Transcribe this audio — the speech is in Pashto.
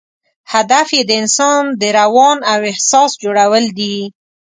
هدف یې د انسان د روان او احساس جوړول دي.